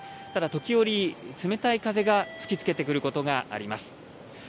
ただ、時折冷たい風が吹きつけてくることがあります。